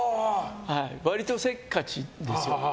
割とせっかちです。